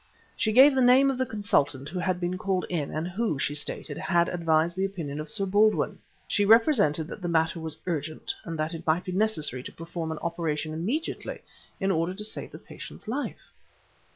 She gave the name of the consultant who had been called in, and who, she stated, had advised the opinion of Sir Baldwin. She represented that the matter was urgent, and that it might be necessary to perform an operation immediately in order to save the patient's life."